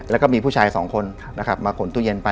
และก็มีผู้ชายสองคน